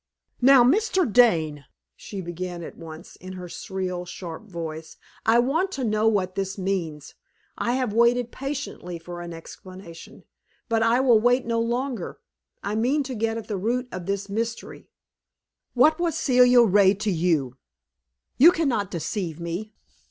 "Now Mr. Dane," she began at once, in her shrill, sharp voice, "I want to know what this means. I have waited patiently for an explanation, but I will wait no longer. I mean to get at the root of this mystery. "What was Celia Ray to you? You can not deceive me.